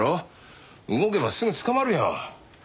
動けばすぐ捕まるよ。